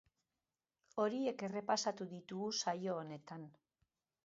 Horiek errepasatu ditugu saio honetan.